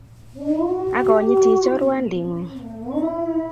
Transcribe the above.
akonyotii chorwandii ngung.